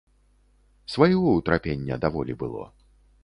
Свайго ўтрапення даволі было.